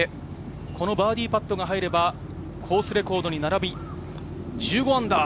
このバーディーパットが入れば、コースレコードに並び−１５。